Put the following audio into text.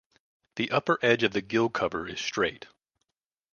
The upper edge of the gill cover is straight.